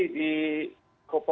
jadi di kopo res